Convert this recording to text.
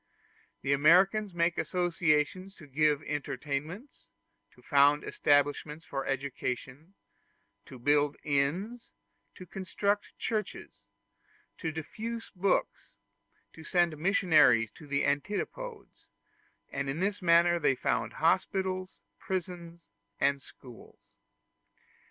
The Americans make associations to give entertainments, to found establishments for education, to build inns, to construct churches, to diffuse books, to send missionaries to the antipodes; and in this manner they found hospitals, prisons, and schools.